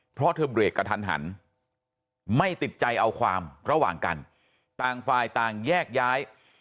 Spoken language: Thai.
เพราะเธอเบรกกระทันหันไม่ติดใจเอาความระหว่างกันต่างฝ่ายต่างแยกย้าย